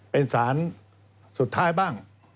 เป็นสารสุดท้ายบ้าง